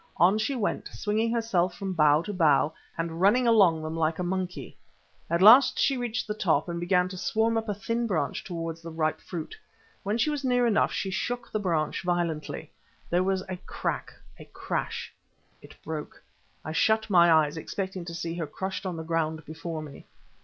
On she went, swinging herself from bough to bough, and running along them like a monkey. At last she reached the top, and began to swarm up a thin branch towards the ripe fruit. When she was near enough she shook the branch violently. There was a crack—a crash—it broke. I shut my eyes, expecting to see her crushed on the ground before me.